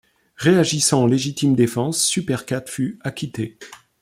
Réagissant en légitime défense, Super Cat fut acquitté.